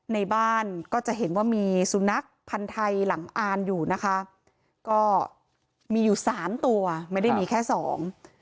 ในบ้านก็จะเห็นว่ามีสุนัขพันธ์ไทยหลังอ่านอยู่นะคะก็มีอยู่สามตัวไม่ได้มีแค่สอง